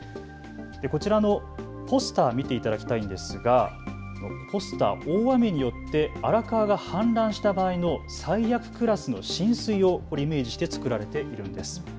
こちらのポスター、見ていただきたいんですがこのポスター、大雨によって荒川が氾濫した場合の最悪クラスの浸水をイメージして作られているんです。